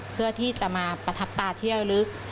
เพื่อที่จะมาประทับตาเที่ยวลึก